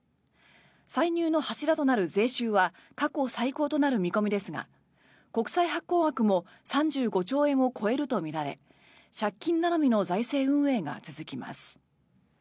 歳入の柱となる税収は過去最高となる見込みですが国債発行額も３５兆円を超えるとみられ借金頼みの財政運営が続きます。